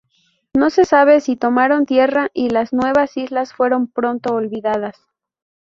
No se sabe si tomaron tierra y las nuevas islas fueron pronto olvidadas.